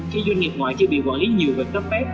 khi doanh nghiệp ngoại chỉ bị quản lý nhiều về cấp phép